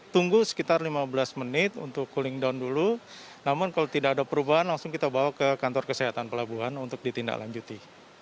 tunggu sekitar lima belas menit untuk cooling down dulu namun kalau tidak ada perubahan langsung kita bawa ke kantor kesehatan pelabuhan untuk ditindaklanjuti